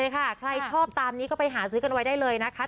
ใครชอบตามนี้ก็ไปหาซื้อกันไว้ได้เลยนะคะ